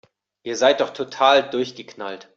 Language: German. Ihr seid doch total durchgeknallt!